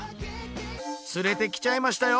連れてきちゃいましたよ！